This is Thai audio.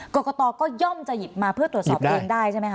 กรกตก็ย่อมจะหยิบมาเพื่อตรวจสอบเองได้ใช่ไหมค